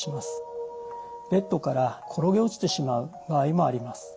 ベッドから転げ落ちてしまう場合もあります。